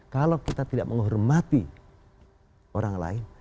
kalau kita tidak menghormati orang lain